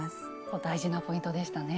ここ大事なポイントでしたね。